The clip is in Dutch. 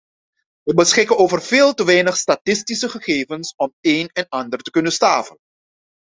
We beschikken over veel te weinig statistische gegevens om een en ander kunnen staven.